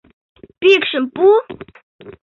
Пӱкшым пу?!